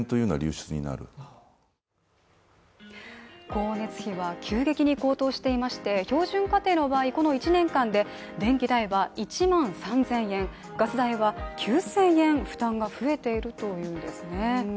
光熱費は急激に高騰していまして標準家庭の場合、この１年間で電気代は１万３０００円、ガス代は９０００円負担が増えているというんですね。